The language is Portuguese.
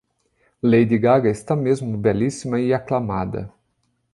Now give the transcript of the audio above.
Lady Gaga está mesmo belíssima e aclamada